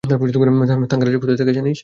থাঙ্গারাজ কোথায় থাকে জানিস?